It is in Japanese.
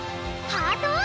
ハートを！